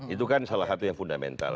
itu kan salah satu yang fundamental